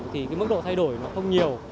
thì cái mức độ thay đổi nó không nhiều